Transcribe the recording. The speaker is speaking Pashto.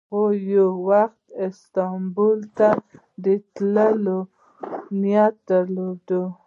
هغه یو وخت استانبول ته د تللو نیت درلود.